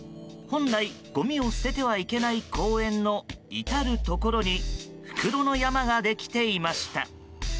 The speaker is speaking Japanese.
本来、ごみを捨ててはいけない公園の至るところに袋の山ができていました。